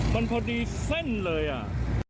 มันพอดีเส้นเลยอ่ะ